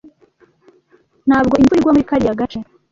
Ntabwo imvura igwa muri kariya gace.